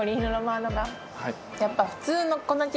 やっぱ。